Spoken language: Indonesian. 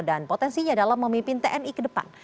dan potensinya dalam memimpin tni ke depan